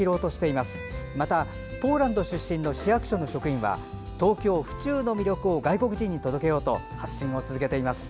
また、ポーランド出身の市役所の職員は東京・府中の魅力を外国人に届けようと発信を続けています。